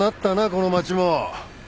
この街も。